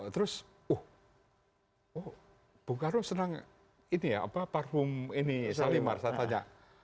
terus oh bung karno senang parfum salimar saya tanya